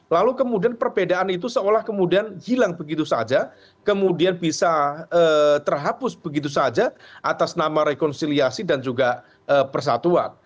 lalu kemudian perbedaan itu seolah kemudian hilang begitu saja kemudian bisa terhapus begitu saja atas nama rekonsiliasi dan juga persatuan